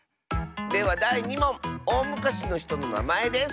ではだい２もんおおむかしのひとのなまえです。